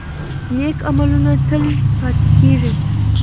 نیک عملونه تل پاتې کیږي.